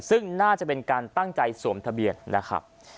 ซึ่งน่าจะเป็นการตั้งใจสวมทะเบียนนะครับ